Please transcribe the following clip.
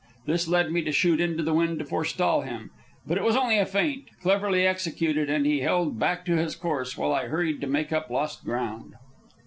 This led me to shoot into the wind to forestall him. But it was only a feint, cleverly executed, and he held back to his course while I hurried to make up lost ground.